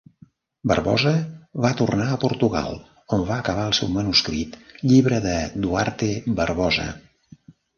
Barbosa va tornar a Portugal on va acabar el seu manuscrit "Llibre de Duarte Barbosa".